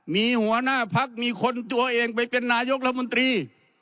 มีหัวหน้าพักมีคนตัวเองไปเป็นนายกรัฐมนตรี